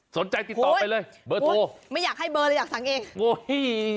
สนใจติดต่อไปเลยเบอร์โทรไม่อยากให้เบอร์เลยอยากสั่งเองโอ้ย